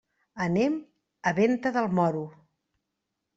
Anem a Venta del Moro.